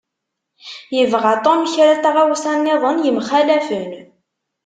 Yebɣa Tom kra n tɣawsa-nniḍen yemxalafen.